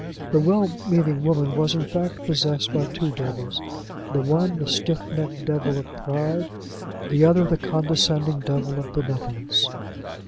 The well meaning woman was in fact possessed by two devils the one the stiff necked devil of pride, the other the condescending devil of benevolence.